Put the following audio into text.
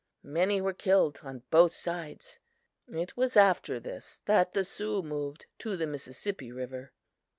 Many were killed on both sides. It was after this that the Sioux moved to the Mississippi river."